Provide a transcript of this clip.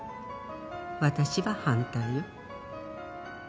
私は反対よ。